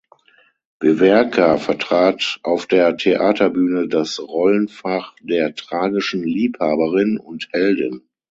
Wewerka vertrat auf der Theaterbühne das Rollenfach der „Tragischen Liebhaberin“ und „Heldin“.